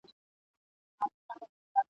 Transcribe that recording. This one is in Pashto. چي ډوډۍ راوړم یارانو ته تیاره ..